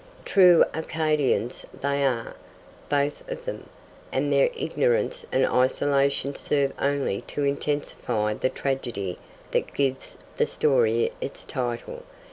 True Arcadians they are, both of them, and their ignorance and isolation serve only to intensify the tragedy that gives the story its title.